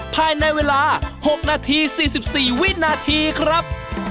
ภายในเวลา๖นาที๔๔วินาทีครับ